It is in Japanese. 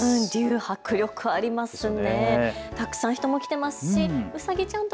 迫力ありますね。